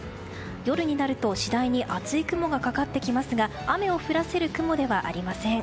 夜になると次第に厚い雲がかかってきますが雨を降らせる雲ではありません。